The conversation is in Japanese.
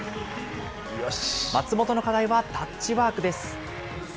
松本の課題はタッチワークです。